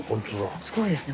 すごいですね